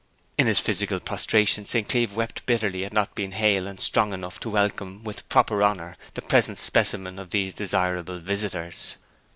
In his physical prostration St. Cleeve wept bitterly at not being hale and strong enough to welcome with proper honour the present specimen of these desirable visitors.